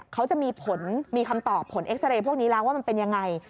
เขาจะมีคำตอบผลเอ็กซาเรย์พวกนี้รับว่ามันเป็นอย่างไร